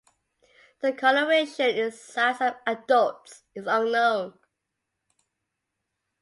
The coloration and size of adults is unknown.